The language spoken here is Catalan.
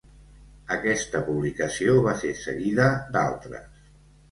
Aquesta publicació va ser seguida d'altres.